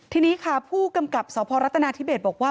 ทีนี้ค่ะผู้กำกับสพรัฐนาธิเบศบอกว่า